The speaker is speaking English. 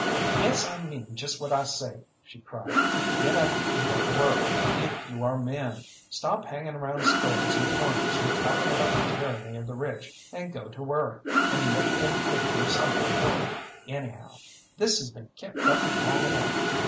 "Yes, I mean just what I say," she cried. "Get up and go to work, if you are men! Stop hanging around stores and corners, and talking about the tyranny of the rich, and go to work, and make them pay you something for it, anyhow. This has been kept up long enough.